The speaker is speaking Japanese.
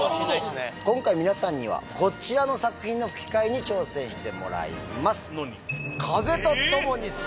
今回皆さんにはこちらの作品の吹き替えに挑戦してもらいます。